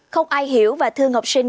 không ai hiểu và thương học sinh